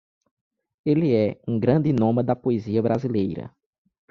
Ele é um grande noma da poesia brasileira.